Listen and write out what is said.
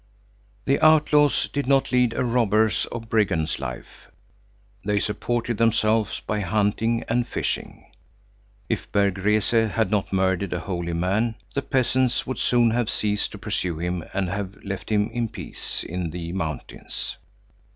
The outlaws did not lead a robber's or brigand's life; they supported themselves by hunting and fishing. If Berg Rese had not murdered a holy man, the peasants would soon have ceased to pursue him and have left him in peace in the mountains.